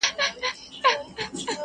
تر خزانه لا وي ډېره موده پاته,